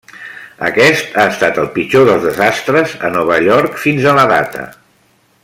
Aquest ha estat el pitjor dels desastres a Nova York fins a la data.